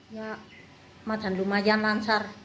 iya madan lumayan lancar